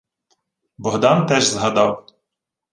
Богдан теж згадав: